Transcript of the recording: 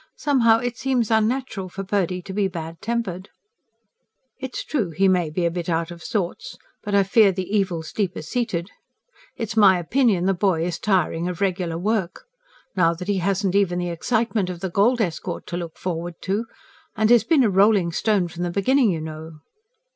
Somehow, it seems unnatural for Purdy to be bad tempered." "It's true he may be a bit out of sorts. But I fear the evil's deeper seated. It's my opinion the boy is tiring of regular work. Now that he hasn't even the excitement of the gold escort to look forward to.... And he's been a rolling stone from the beginning, you know."